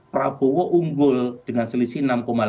prabowo unggul dengan selisih